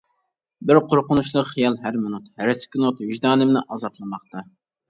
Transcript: بىر قورقۇنچلۇق خىيال ھەر مىنۇت، ھەر سېكۇنت ۋىجدانىمنى ئازابلىماقتا.